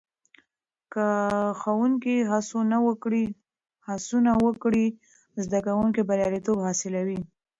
که ښوونکې هڅونه وکړي، زده کوونکي برياليتوب حاصلوي.